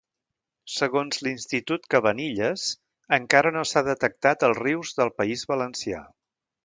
Segons l'Institut Cavanilles encara no s'ha detectat als rius del País Valencià.